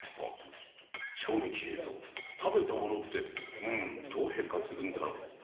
衝撃映像食べたものってうんどう変化するんだろう。